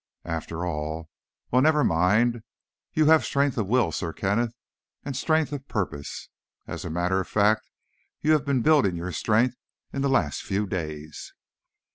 After all ... well, never mind. But you have strength of will, Sir Kenneth, and strength of purpose. As a matter of fact, you have been building your strength in the last few days."